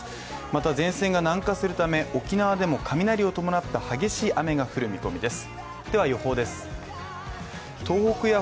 また前線が南下するため、沖縄でも雷を伴った激しい雨が降る見込みです。